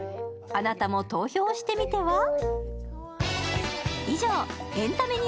あなたも投票してみては？